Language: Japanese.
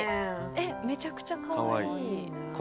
えっめちゃくちゃかわいい。